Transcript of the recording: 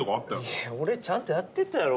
いや俺ちゃんとやってたやろ。